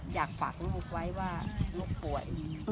อยากฝากลูกไว้ว่าลูกป่วย